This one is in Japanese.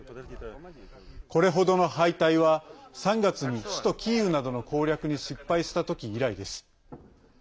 これほどの敗退は、３月に首都キーウなどの攻略に失敗した時以来です。